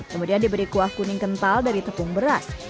kemudian diberi kuah kuning kental dari tepung beras